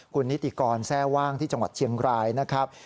คุณนิติกรแทร่ว่างที่จังหวัดเชียงรายนะครับ